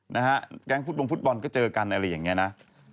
นะฮะแก๊งฟุตบงฟุตบอลก็เจอกันอะไรอย่างนี้นะ